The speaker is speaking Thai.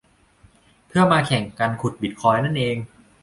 เพื่อมาแข่งกันขุดบิตคอยน์นั่นเอง